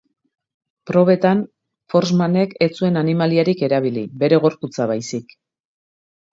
Probetan, Forssmanek ez zuen animaliarik erabili, bere gorputza baizik.